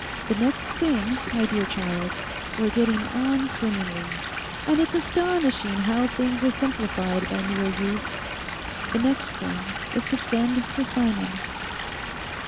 'The next thing, my dear child—we're getting on swimmingly—and it's astonishing how things are simplified by mere use—the next thing is to send for Simon.